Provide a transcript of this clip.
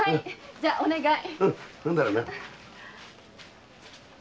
じゃお願い。